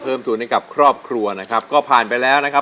ทุนให้กับครอบครัวนะครับก็ผ่านไปแล้วนะครับ